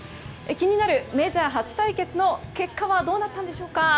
気になるメジャー初対決の結果はどうなったんでしょうか。